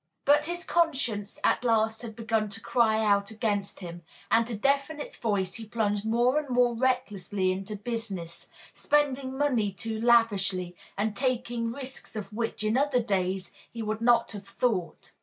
But his conscience at last had begun to cry out against him, and to deafen its voice he plunged more and more recklessly into business, spending money too lavishly, and taking risks of which, in other days, he would not have thought.